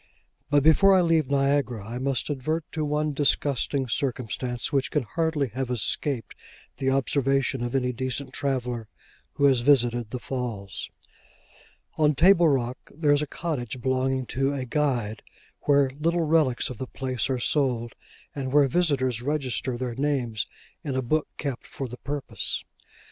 But before I leave Niagara, I must advert to one disgusting circumstance which can hardly have escaped the observation of any decent traveller who has visited the Falls. On Table Rock, there is a cottage belonging to a Guide, where little relics of the place are sold, and where visitors register their names in a book kept for the purpose.